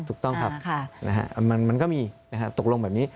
ถูกต้องครับมันก็มีตกลงแบบนี้